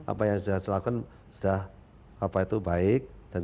apa yang sudah dilakukan sudah baik